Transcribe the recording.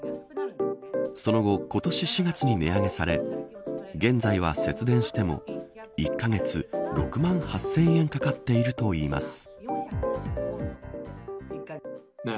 その後、今年４月に値上げされ現在は節電しても１カ月、６万８０００円かかっているといいます。